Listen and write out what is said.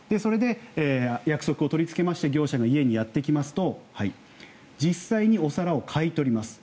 それで約束を取りつけまして業者が家にやってきますと実際にお皿を買い取ります。